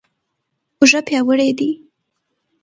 اوږه پیاوړې دي.